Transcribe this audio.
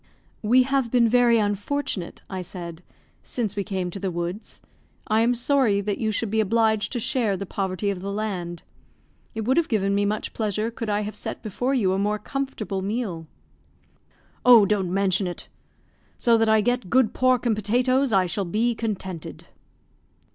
"We have been very unfortunate," I said, "since we came to the woods. I am sorry that you should be obliged to share the poverty of the land. It would have given me much pleasure could I have set before you a more comfortable meal." "Oh, don't mention it. So that I get good pork and potatoes I shall be contented."